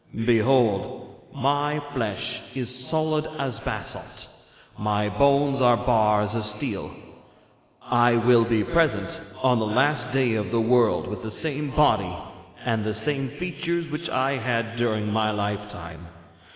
Behold, my flesh is solid as basalt, my bones are bars of steel! 'I will be present on the last day of the world with the same body and the same features which I had during my lifetime.